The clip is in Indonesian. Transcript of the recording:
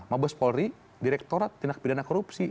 mabes polri direktorat tindak pidana korupsi